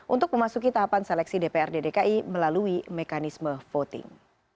untuk memasuki tahapan seleksi dprd dki melalui mekanisme voting